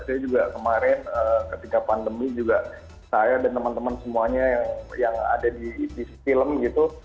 saya juga kemarin ketika pandemi juga saya dan teman teman semuanya yang ada di film gitu